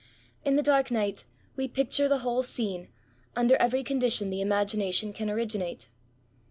In the dark night, we picture the whole scene, under every condition the imagination can originate.